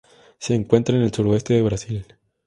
Se encuentra en el sureste del Brasil.